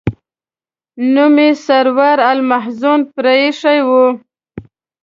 نوم یې سرور المحزون پر ایښی و.